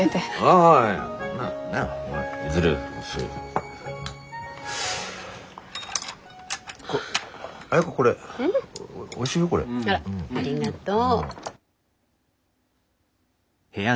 あらありがとう。